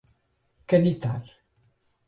Canitar